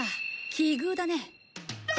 奇遇だね。